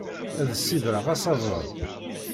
Ad d-ssidreɣ asaber.